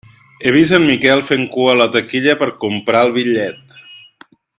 He vist en Miquel fent cua a la taquilla per comprar el bitllet.